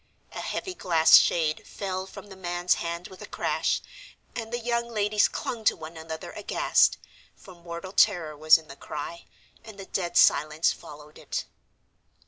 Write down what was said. A heavy glass shade fell from the man's hand with a crash, and the young ladies clung to one another aghast, for mortal terror was in the cry, and a dead silence followed it.